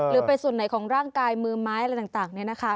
หรือไปส่วนไหนของร่างกายมือไม้อะไรต่างเนี่ยนะคะ